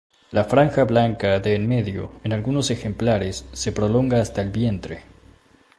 La franja blanca de en medio, en algunos ejemplares, se prolonga hasta el vientre.